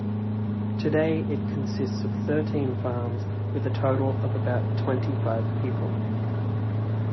Today it consists of thirteen farms with a total of about twenty-five people.